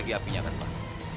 tidak akan pak